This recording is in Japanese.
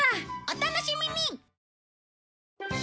お楽しみに！